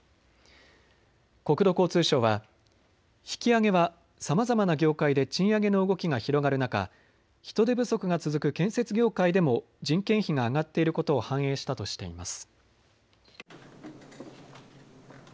国土交通省は、引き上げはさまざまな業界で賃上げの動きが広がる中、人手不足が続く建設業界でも人件費が上がっていることを反映したとしています。